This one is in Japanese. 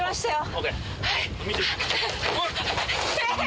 ＯＫ！